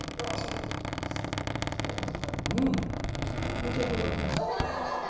うん、申し訳ございませんでした。